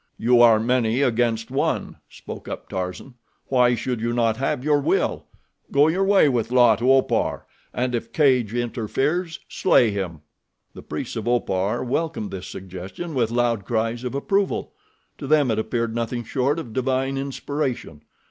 "You are many against one," spoke up Tarzan. "Why should you not have your will? Go your way with La to Opar and if Cadj interferes slay him." The priests of Opar welcomed this suggestion with loud cries of approval. To them it appeared nothing short of divine inspiration.